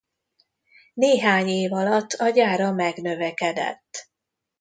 Néhány év alatt a gyára megnövekedett.